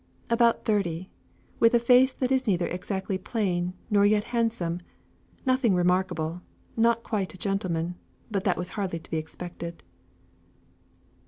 "About thirty with a face that is neither exactly plain, nor yet handsome, nothing remarkable not quite a gentleman; but that was hardly to be expected."